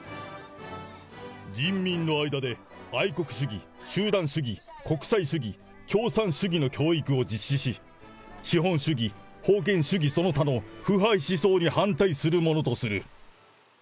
人民の間で愛国主義、集団主義、国際主義、共産主義の教育を実施し、資本主義、封建主義その他の腐敗思想に反対するものとする。